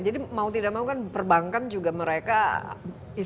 jadi mau tidak mau kan perbankan juga mereka istilahnya ya harus empat gitu